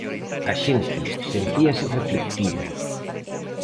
A xente sentíase reflectida.